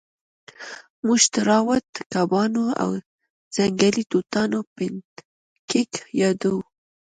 موږ د ټراوټ کبانو او ځنګلي توتانو پینکیک یادوو